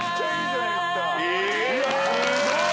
すごい！